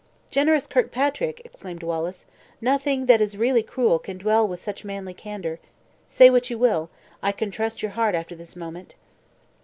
"Generous Kirkpatrick!" exclaimed Wallace, "nothing that is really cruel can dwell with such manly candor. Say what you will, I can trust your heart after this moment."